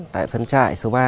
tại phân trại số ba